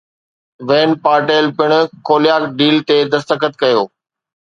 وين Parnell پڻ Kolpak deal تي دستخط ڪيو